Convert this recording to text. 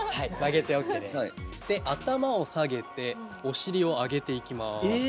頭を下げてお尻を上げていきます。